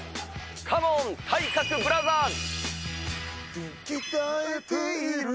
カモン、体格ブラザーズ。